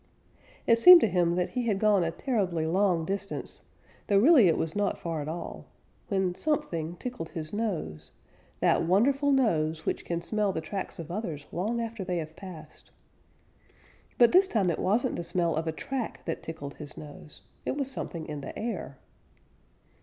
It seemed to him that he had gone a terribly long distance, though really it was not far at all, when something tickled his nose, that wonderful nose which can smell the tracks of others long after they have passed. But this time it wasn't the smell of a track that tickled his nose; it was something in the air.